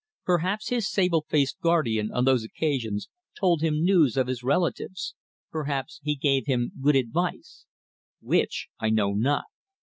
Perhaps his sable faced guardian on those occasions told him news of his relatives; perhaps he gave him good advice. Which, I know not.